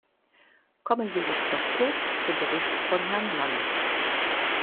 Kommen wir jetzt noch kurz zum Bericht von Herrn Lange.